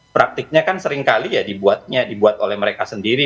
praktiknya kan seringkali ya dibuatnya dibuat oleh mereka sendiri